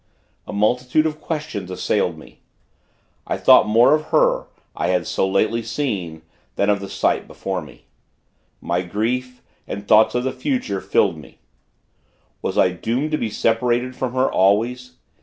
A multitude of questions assailed me. I thought more of her, I had so lately seen, than of the sight before me. My grief, and thoughts of the future, filled me. Was I doomed to be separated from her, always?